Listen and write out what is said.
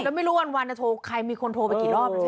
แล้วไม่รู้วันโทรใครมีคนโทรไปกี่รอบ